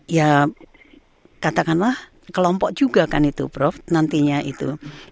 ya katakanlah kelompok juga kan itu prof nantinya itu